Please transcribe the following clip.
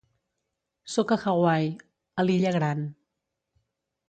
Sóc a Hawaii, a l'illa Gran.